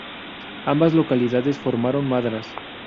Ambas localidades formaron Madras.